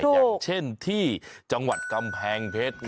อย่างเช่นที่จังหวัดกำแพงเพชร